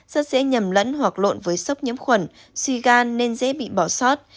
rất dễ nhầm lẫn hoặc lộn với sốc nhiễm khuẩn suy gan nên dễ bị bỏ sót